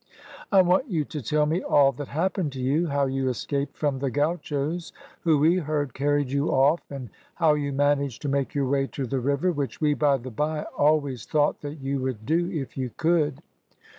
"I want you to tell me all that happened to you; how you escaped from the gauchos who, we heard, carried you off, and how you managed to make your way to the river, which we, by the bye, always thought that you would do if you could."